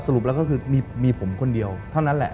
รุปแล้วก็คือมีผมคนเดียวเท่านั้นแหละ